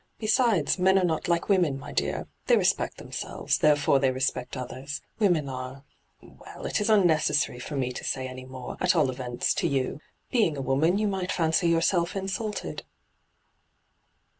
Besides, men are not like women, my dear ! They respect them selves, therefore they respect others. Women are — well, it is unnecessary for me to say any more ; at all events, to you. Being a woman, you might fancy yourself insulted.'